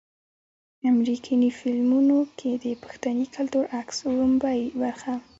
امريکني فلمونو کښې د پښتني کلتور عکس وړومبۍ برخه